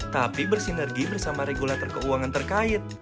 tapi bersinergi bersama regulator keuangan terkait